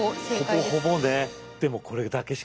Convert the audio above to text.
ほぼほぼね。